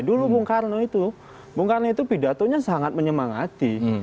dulu bung karno itu bung karno itu pidatonya sangat menyemangati